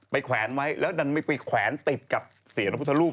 แขวนไว้แล้วดันไม่ไปแขวนติดกับเสียนพระพุทธรูป